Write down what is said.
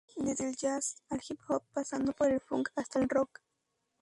Desde el jazz, al hip hop pasando por el funk hasta el rock.